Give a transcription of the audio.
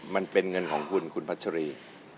มันเป็นเงินของคุณคุณพัชรี